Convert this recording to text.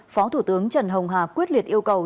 phó thủ tướng trần hồng hà quyết liệt yêu cầu